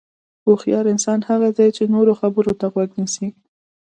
هوښیار انسان هغه دی چې د نورو خبرو ته غوږ نیسي.